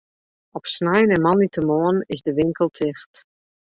Op snein en moandeitemoarn is de winkel ticht.